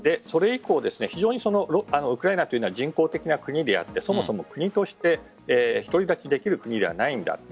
それ以降、非常にウクライナは人工的な国であってそもそも国として１人立ちできる国ではないんだ。